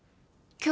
今日？